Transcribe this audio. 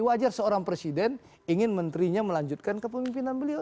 wajar seorang presiden ingin menterinya melanjutkan kepemimpinan beliau